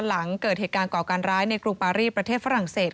หลังเกิดเหตุการณ์ก่อการร้ายในกรุงปารีประเทศฝรั่งเศส